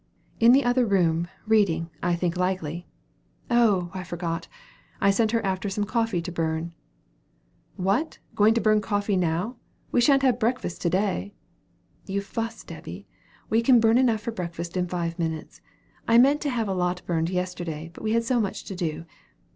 "In the other room, reading, I think likely. Oh! I forgot: I sent her after some coffee to burn." "What! going to burn coffee now? We sha'nt have breakfast to day." "You fuss, Debby. We can burn enough for breakfast in five minutes. I meant to have had a lot burned yesterday; but we had so much to do.